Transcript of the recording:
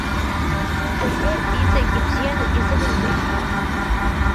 Бҵатәы иҵегь ибзианы изыбымҵеи?